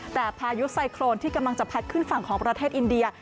แต่พายุไซโครนที่กำลังจะพัดขึ้นฝั่งของประเทศอินเดีย